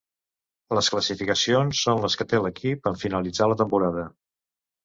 Les classificacions són les que té l'equip en finalitzar la temporada.